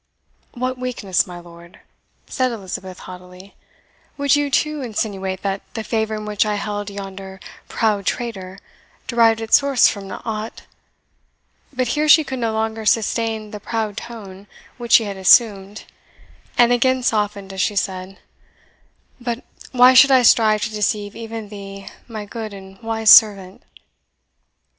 "What weakness, my lord?" said Elizabeth haughtily; "would you too insinuate that the favour in which I held yonder proud traitor derived its source from aught " But here she could no longer sustain the proud tone which she had assumed, and again softened as she said, "But why should I strive to deceive even thee, my good and wise servant?"